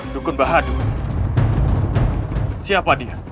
dukun bahadur siapa dia